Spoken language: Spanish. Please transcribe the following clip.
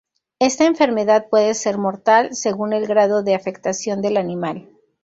Esta enfermedad puede ser mortal según el grado de afectación del animal.